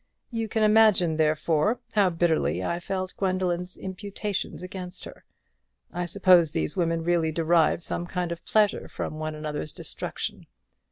You can imagine, therefore, how bitterly I felt Gwendoline's imputations against her. I suppose these women really derive some kind of pleasure from one another's destruction.